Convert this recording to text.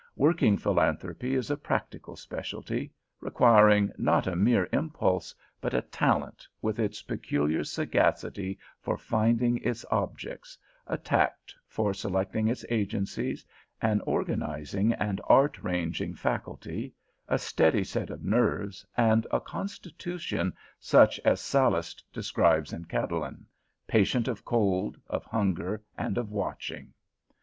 Working philanthropy is a practical specialty, requiring not a mere impulse, but a talent, with its peculiar sagacity for finding its objects, a tact for selecting its agencies, an organizing and arranging faculty, a steady set of nerves, and a constitution such as Sallust describes in Catiline, patient of cold, of hunger, and of watching.